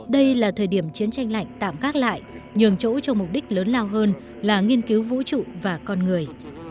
đây là thời điểm chiến tranh lạnh tạm gác lại nhường chỗ cho mục đích lớn lao hơn là nghiên cứu vũ trụ và con người